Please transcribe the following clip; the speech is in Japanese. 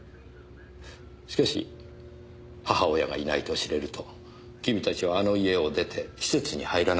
しかし母親がいないと知れると君たちはあの家を出て施設に入らなければならない。